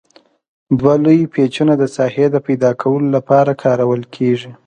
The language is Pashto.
دوه لوی پیچونه د ساحې د پیداکولو لپاره کارول کیږي.